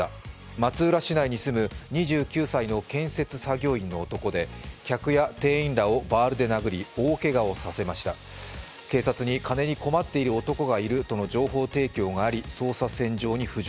松浦市内に住む２９歳の建設作業員の男で、客や店員らをバールで殴り、大けがをさせました警察に金に困っている男がいるとの情報提供があり、捜査線上に浮上。